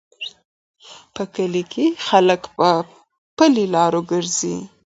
په کلي کې خلک په پلي لارو ګرځي.